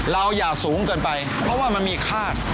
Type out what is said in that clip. อย่าสูงเกินไปเพราะว่ามันมีคาด